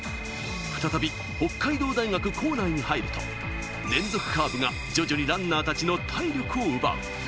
再び北海道大学構内に入ると、連続カーブが徐々にランナーたちの体力を奪う。